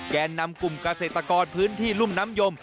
แก่นำกลุ่มเกษตรกรพื้นที่รุ่มน้ำยม